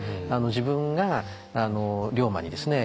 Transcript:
自分が龍馬にですね